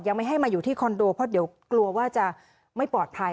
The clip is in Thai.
ไม่ให้มาอยู่ที่คอนโดเพราะเดี๋ยวกลัวว่าจะไม่ปลอดภัย